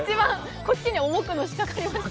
こっちに重くのしかかりましたね。